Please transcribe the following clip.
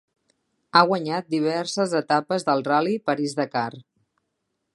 Ha guanyat diverses etapes del ral·li París-Dakar.